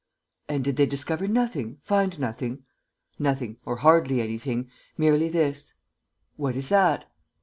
"And did they discover nothing, find nothing?" "Nothing, or hardly anything.... Merely this." "What is that?"